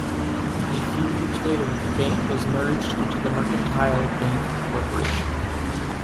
A few years later the bank was merged into the Mercantile Bank corporation.